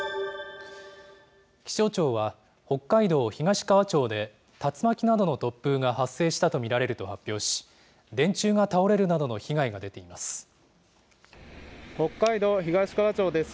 気象庁は、北海道東川町で竜巻などの突風が発生したと見られると発表し、電柱が倒れるなどの被害が出ています。